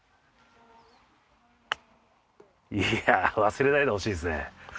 いや忘れないでほしいですね。